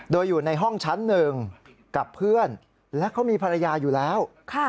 โดยอยู่ในห้องชั้น๑กับเพื่อนและเขามีภรรยาอยู่แล้ว